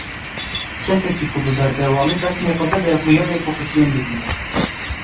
Kesekî ku bi berdewamî pesinê xwe bide, xuya ye ku xwe kêm dibîne.